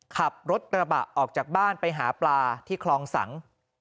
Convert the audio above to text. ขับรถกระบะออกจากบ้านไปหาปลาที่คลองสัง